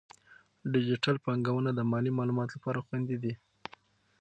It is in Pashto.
ډیجیټل بانکونه د مالي معاملو لپاره خوندي دي.